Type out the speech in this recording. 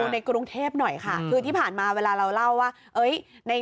ในกรุงเทพหน่อยค่ะคือที่ผ่านมาเวลาเราเล่าว่าเอ้ยใน